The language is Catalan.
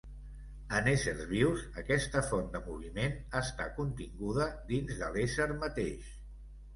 En éssers vius, aquesta font de moviment està continguda dins de l'ésser mateix.